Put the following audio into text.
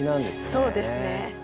そうですね。